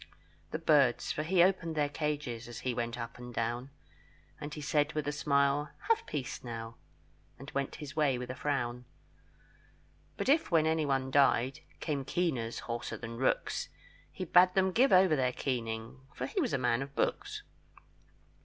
The birds, for he opened their cages, As he went up and down; And he said with a smile, "Have peace, now," And went his way with a frown. But if when anyone died, Came keeners hoarser than rooks, He bade them give over their keening, For he was a man of books.